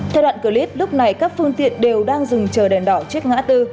theo đoạn clip lúc này các phương tiện đều đang dừng trời đèn đỏ trước ngã tư